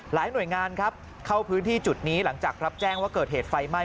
หน่วยงานครับเข้าพื้นที่จุดนี้หลังจากรับแจ้งว่าเกิดเหตุไฟไหม้